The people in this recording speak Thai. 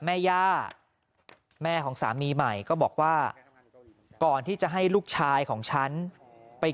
แม่ย่าแม่ของสามีใหม่ก็บอกว่าก่อนที่จะให้ลูกชายของฉันไป